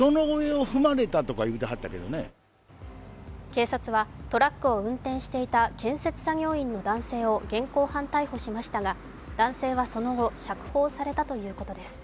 警察はトラックを運転していた建設作業員の男性を現行犯逮捕しましたが男性はその後釈放されたということです。